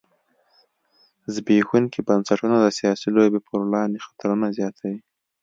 زبېښونکي بنسټونه د سیاسي لوبې پر وړاندې خطرونه زیاتوي.